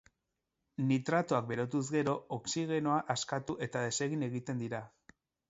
Nitratoak berotuz gero, oxigenoa askatu eta desegin egiten dira.